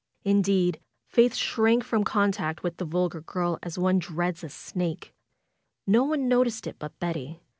Indeed, Faith shrank from contact with the vulgar girl as one dreads a snake. No one noticed it but Betty.